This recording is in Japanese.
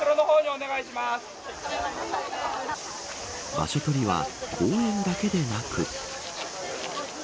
場所取りは公園だけでなく。